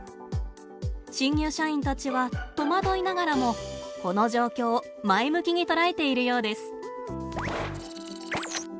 新入社員たちは戸惑いながらもこの状況を前向きに捉えているようです。